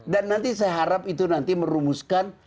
dan nanti saya harap itu nanti merumuskan